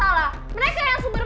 i hate ceasongan sumpah